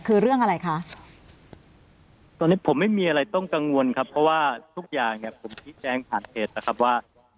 คือเรื่องอะไรคะตอนนี้ผมไม่มีอะไรต้องกังวลครับเพราะว่าทุกอย่างเนี่ยผมชี้แจงผ่านเพจนะครับว่า